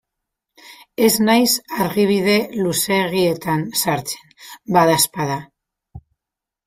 Ez naiz argibide luzeegietan sartzen, badaezpada.